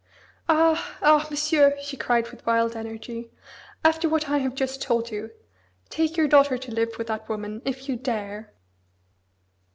"Ah! Ah! Monsieur", she cried with wild energy. "After what I have just told you, take your daughter to live with that woman if you dare."